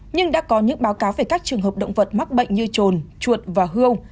nhưng đã có những báo cáo về các trường hợp động vật mắc bệnh như trồn chuột và hương